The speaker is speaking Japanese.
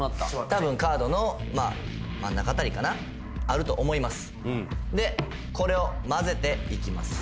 多分カードのまあ真ん中辺りかなあると思いますでこれを交ぜていきます